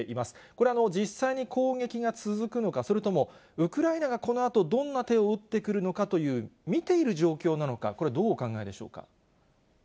これは実際に攻撃が続くのか、それともウクライナがこのあとどんな手を打ってくるのかという、見ている状況なのか、これ、どうお考えでしょうか。